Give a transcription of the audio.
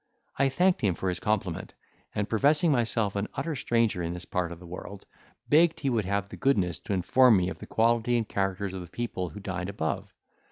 I thanked him for his compliment, and, professing myself an utter stranger in this part of the world, begged he would have the goodness to inform me of the quality and characters of the people who dined above.